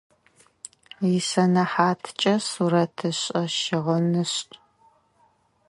Исэнэхьаткӏэ сурэтышӏэ-щыгъынышӏ.